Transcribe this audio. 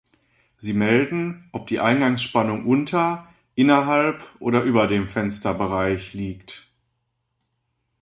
Sie melden, ob die Eingangsspannung unter, innerhalb oder über dem Fensterbereich liegt.